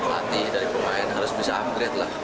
pelatih dari pemain harus bisa upgrade lah